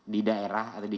di daerah atau di